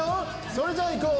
それじゃあいこう！